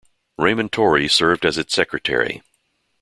Raymond Torrey served as its Secretary.